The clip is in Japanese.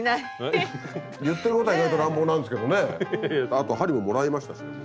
あと針ももらいましたしね。